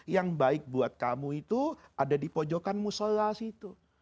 yang baik buat kamu itu ada di pojokan musola situ